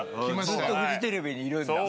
ずっとフジテレビにいるんだ。